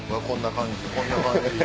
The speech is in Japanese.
こんな感じ。